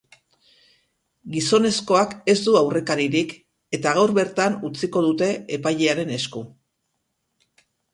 Gizonezkoak ez du aurrekaririk, eta gaur bertan utziko dute epailearen esku.